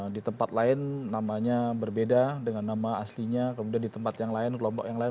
di tempat lain namanya berbeda dengan nama aslinya kemudian di tempat yang lain kelompok yang lain